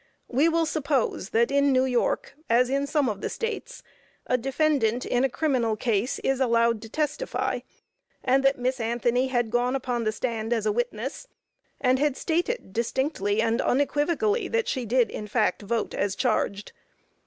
We will suppose that in New York, as in some of the States, a defendant in a criminal case is allowed to testify, and that Miss Anthony had gone upon the stand as a witness, and had stated distinctly and unequivocally that she did in fact vote as charged.